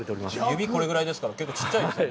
指、これぐらいですから、結構小さいですね。